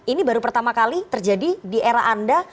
ini baru pertama kali terjadi di era anda